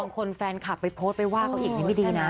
แฟนคลับไปโพสต์ไปว่าเขาอีกนี่ไม่ดีนะ